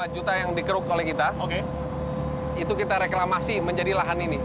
lima juta yang dikeruk oleh kita itu kita reklamasi menjadi lahan ini